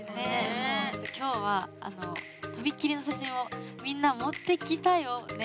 今日は飛びっ切りの写真をみんな持ってきたよね？